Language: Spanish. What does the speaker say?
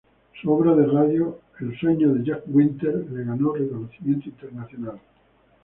Su obra de radio, El sueño de Jack Winter, le ganó reconocimiento internacional.